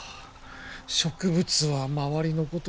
植物は周りのこと